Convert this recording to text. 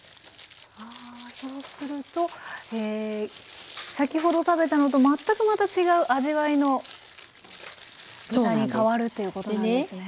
ああそうすると先ほど食べたのと全くまた違う味わいの豚に変わるということなんですね。